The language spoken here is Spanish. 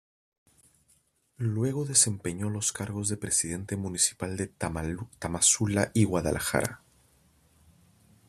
Luego desempeñó los cargos de presidente municipal de Tamazula y Guadalajara.